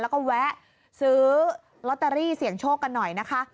แล้วก็แวะซื้อลอตเตอรี่เสี่ยงโชคกันหน่อยนะคะ